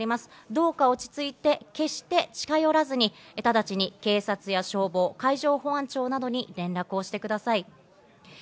どうか落ち着いて決して近寄らずに直ちに警察や消防、海上保安庁などに連絡をしてください。